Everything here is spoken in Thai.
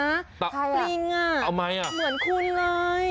ใครล่ะเอาไหมล่ะปลิงเหมือนคุณเลย